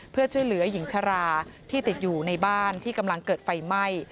เพื่อช่วยเหลือหญิงชราที่ติดอยู่ในบ้านที่กำลังเกิดไฟไหม้